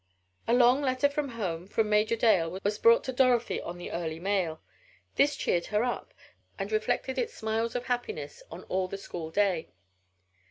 A long letter from home, from Major Dale, was brought to Dorothy on the early mail. This cheered her up and reflected its smiles of happiness on all the school day.